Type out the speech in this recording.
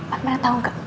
pak mir tahu nggak